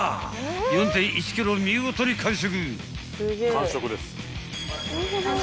［４．１ｋｇを見事に完食］